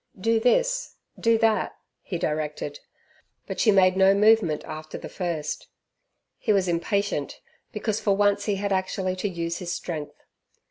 Do this; do that, he directed, but she made no movement after the first. He was impatient, because for once he had actually to use his strength.